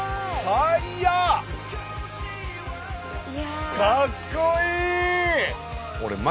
かっこいい！